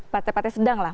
partai partai sedang lah